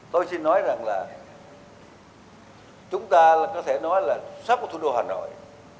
tôi xin nói rằng là chúng ta có thể nói là sắp có thủ đô hà nội